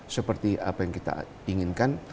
seperti apa yang kita inginkan